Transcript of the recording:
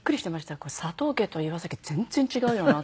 「これ佐藤家と岩崎家全然違うよな」